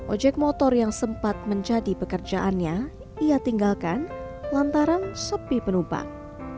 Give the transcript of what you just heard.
ojek motor yang sempat menjadi pekerjaannya ia tinggalkan lantaran sepi penumpang